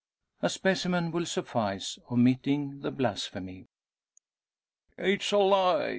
A specimen will suffice, omitting the blasphemy. "It's a lie!"